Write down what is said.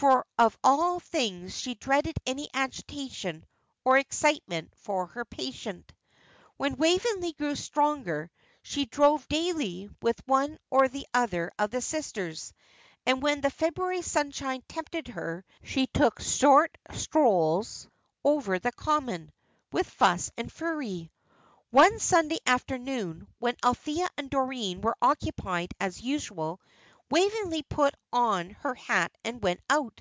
For, of all things, she dreaded any agitation or excitement for her patient. When Waveney grew stronger she drove daily with one or other of the sisters. And when the February sunshine tempted her, she took short strolls over the Common, with Fuss and Fury. One Sunday afternoon, when Althea and Doreen were occupied as usual, Waveney put on her hat and went out.